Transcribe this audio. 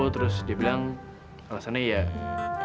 terus dia bilang alasannya ya